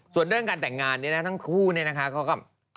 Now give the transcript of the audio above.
ส่วนเรื่องการแต่งงานเนี่ยนะทั้งคู่เนี่ยนะคะเขาก็